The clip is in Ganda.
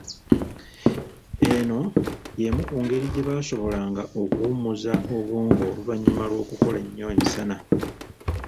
Eno y’emu ku ngeri gye baasobolanga okuwummuza obwongo oluvanyuma lw’okukola ennyo emisana.